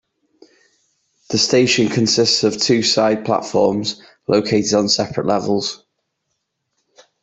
The station consists of two side platforms located on separate levels.